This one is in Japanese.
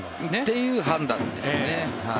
という判断ですね。